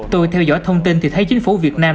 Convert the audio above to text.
tôi theo dõi thông tin thì thấy chính phủ việt nam